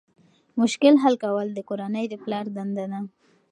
مشکل حل کول د کورنۍ د پلار دنده ده.